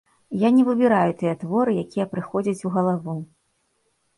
Я не выбіраю тыя творы, якія прыходзяць у галаву.